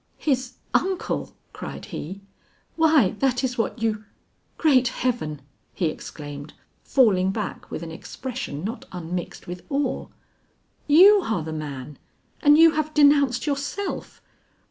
"His uncle!" cried he, "why that is what you Great heaven!" he exclaimed, falling back with an expression not unmixed with awe, "you are the man and you have denounced yourself!"